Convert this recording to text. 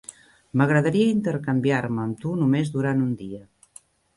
M'agradaria intercanviar-me amb tu només durant un dia.